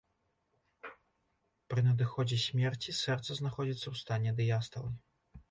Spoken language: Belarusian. Пры надыходзе смерці сэрца знаходзіцца ў стане дыясталы.